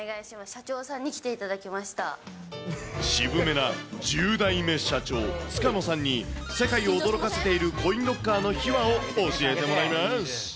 社長さんに来渋めな１０代目社長、塚野さんに世界を驚かせているコインロッカーの秘話を教えてもらいます。